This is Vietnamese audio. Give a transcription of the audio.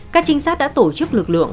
các trinh sát đã tổ chức lực lượng